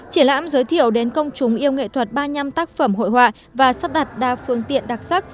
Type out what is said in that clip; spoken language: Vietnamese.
triển lãm giới thiệu đến công chúng yêu nghệ thuật ba mươi năm tác phẩm hội họa và sắp đặt đa phương tiện đặc sắc